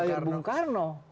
hari lahir bung karno